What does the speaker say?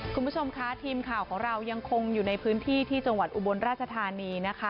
คุณผู้ชมคะทีมข่าวของเรายังคงอยู่ในพื้นที่ที่จังหวัดอุบลราชธานีนะคะ